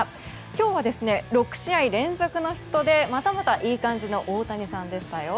今日は６試合連続のヒットまたまたいい感じの大谷さんでしたよ。